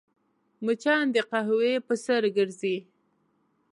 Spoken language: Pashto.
مچان د قهوې پر سر ګرځي